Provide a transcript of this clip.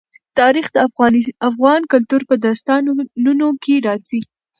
تاریخ د افغان کلتور په داستانونو کې راځي.